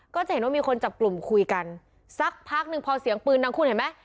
ก็จะเห็นว่ามีคนจับกลุ่มคุยกันสักพักหนึ่งพอเสียงปืนดังคุณเห็นไหม